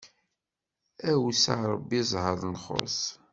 Awes a Ṛebbi, zzheṛ nxuṣ!